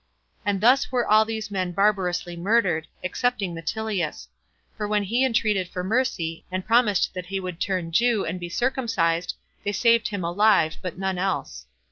And thus were all these men barbarously murdered, excepting Metilius; for when he entreated for mercy, and promised that he would turn Jew, and be circumcised, they saved him alive, but none else.